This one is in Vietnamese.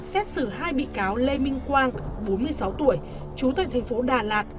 xét xử hai bị cáo lê minh quang bốn mươi sáu tuổi trú tại thành phố đà lạt